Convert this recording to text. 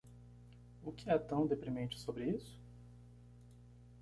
O que é tão deprimente sobre isso?